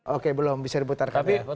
oke belum bisa diputarkan ya